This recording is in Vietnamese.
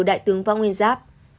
đại tướng võ nguyên giáp